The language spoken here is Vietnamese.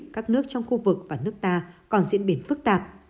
các nước trong khu vực và nước ta còn diễn biến phức tạp